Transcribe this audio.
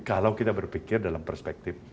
kalau kita berpikir dalam perspektif